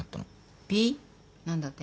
Ｐ何だって？